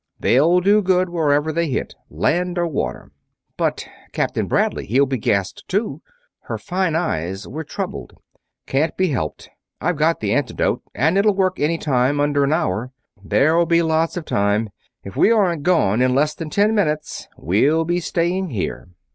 They'll do good wherever they hit, land or water." "But Captain Bradley he'll be gassed, too." Her fine eyes were troubled. "Can't be helped. I've got the antidote, and it'll work any time under an hour. That'll be lots of time if we aren't gone in less than ten minutes we'll be staying here.